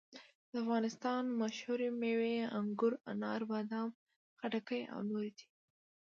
د افغانستان مشهورې مېوې انګور، انار، بادام، خټکي او نورې دي.